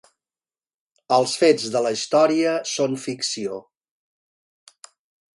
Els fets de la història són ficció.